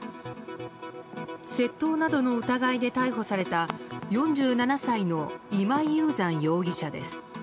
窃盗などの疑いで逮捕された４７歳の今井雄山容疑者です。